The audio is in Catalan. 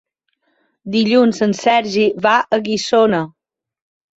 Dilluns en Sergi va a Guissona.